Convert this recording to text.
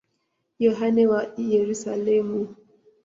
Yohane wa Yerusalemu.